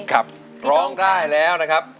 ครับร้องได้แล้วนะครับ